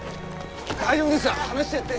大丈夫ですから離してやって。